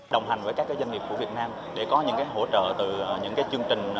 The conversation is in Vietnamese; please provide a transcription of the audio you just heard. đồng hành với các doanh nghiệp của việt nam để có những hỗ trợ từ những chương trình